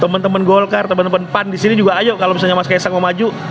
teman teman golkar teman teman pan di sini juga ayo kalau misalnya mas kaisang mau maju